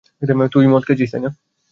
তুই মদ খেয়েছিস?